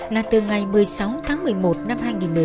là từ ngày một mươi sáu tháng một mươi một năm hai nghìn một mươi bảy